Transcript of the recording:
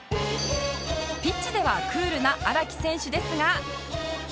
ピッチではクールな荒木選手ですが